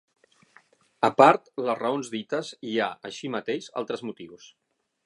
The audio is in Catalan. A part les raons dites hi ha, així mateix, altres motius.